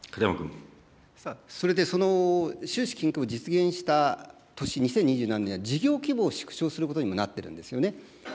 それで、その収支均衡を実現した年、２０２７年は、事業規模を縮小することにもなってるんですよね。